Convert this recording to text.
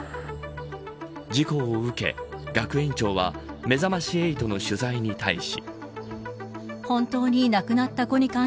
事故を受け、学園長はめざまし８の取材に対し。